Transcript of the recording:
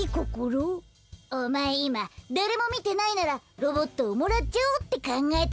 おまえいまだれもみてないならロボットをもらっちゃおうってかんがえただろ？